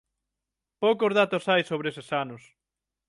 Poucos datos hai sobre eses anos.